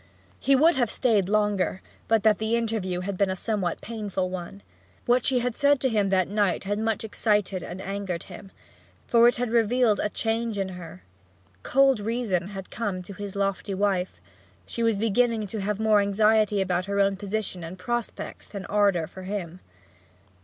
He would have stayed longer, but that the interview had been a somewhat painful one. What she had said to him that night had much excited and angered him, for it had revealed a change in her; cold reason had come to his lofty wife; she was beginning to have more anxiety about her own position and prospects than ardour for him.